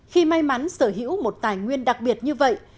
khi may mắn sở hữu một tài nguyên đặc biệt như vậy